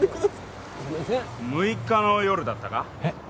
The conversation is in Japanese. ６日の夜だったか？